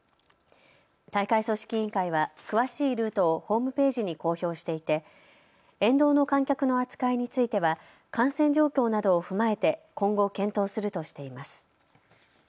大会組織委員会は詳しいルートをホームページに公表していて沿道の観客の扱いについては感染状況などを踏まえて今後、検討するとしています。